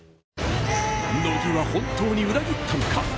乃木は本当に裏切ったのか。